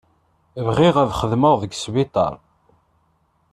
Bɣiɣ ad xedmeɣ deg sbiṭaṛ.